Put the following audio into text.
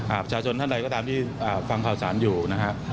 ประชาชนท่านใดก็ตามที่ฟังข่าวสารอยู่นะฮะ